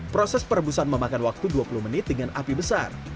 proses perebusan memakan waktu dua puluh menit dengan api besar